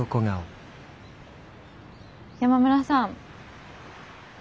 山村さん。